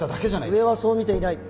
上はそう見ていない。